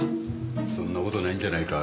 そんなことないんじゃないか。